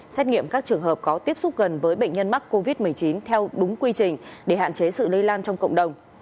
xét nghiệm các trường hợp có tiếp xúc gần với bệnh nhân mắc covid một mươi chín theo đúng quy trình để hạn chế sự lây lan trong cộng đồng